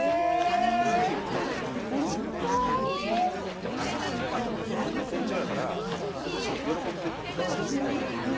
でも何かそれって成長やからむしろ喜ぶべきことかもしんないじゃないですか。